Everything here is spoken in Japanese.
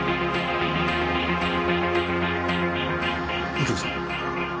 右京さん？